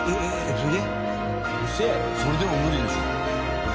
それでも無理でしょ。